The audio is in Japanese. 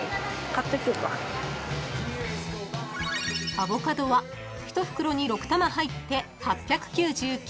［アボカドは１袋に６玉入って８９９円］